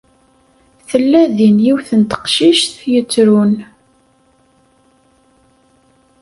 Tella din yiwet n teqcict yettrun.